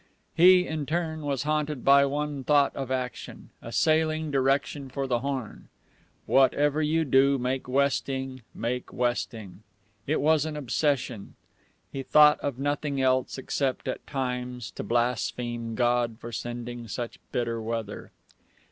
He, in turn, was haunted by one thought of action, a sailing direction for the Horn: Whatever you do, make westing! make westing! It was an obsession. He thought of nothing else, except, at times, to blaspheme God for sending such bitter weather.